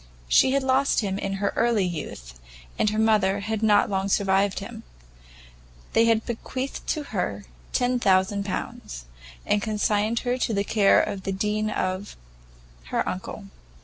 She had lost him in her early youth, and her mother had not long survived him. They had bequeathed to her 10,000 pounds, and consigned her to the care of the Dean of , her uncle.